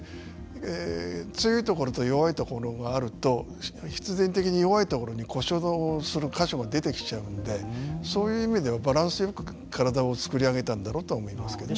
強いところと弱いところがあると必然的に弱いところに故障する箇所が出てきちゃうのでそういう意味ではバランスよく体を作り上げたんだろうと思いますけどね。